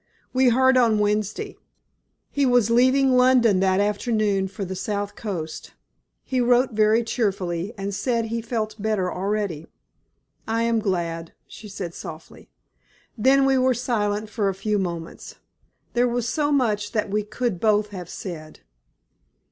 "We heard on Wednesday. He was leaving London that afternoon for the South Coast. He wrote very cheerfully, and said he felt better already." "I am glad," she said, softly. Then we were silent for a few moments. There was so much that we could both have said.